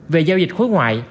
về giao dịch khối ngoại